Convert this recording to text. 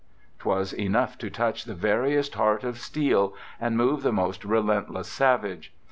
'Twas enough to touch the veriest heart of steel and move the most relentless savage.